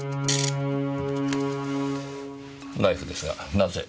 ナイフですがなぜ？